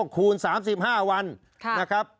คูณ๓๕วันนะครับ